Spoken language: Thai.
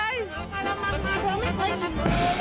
จริงหรอ